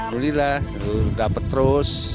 mulilah dapet terus